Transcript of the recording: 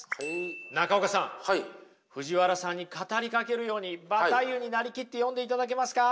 中岡さん藤原さんに語りかけるようにバタイユになりきって読んでいただけますか。